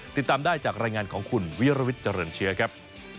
ติดตามได้จากรายงานของคุณวิรวิทย์เจริญเชื้อครับ